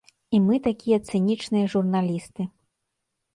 І мы такія цынічныя журналісты.